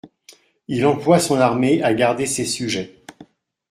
Il emploie son armée à garder ses sujets.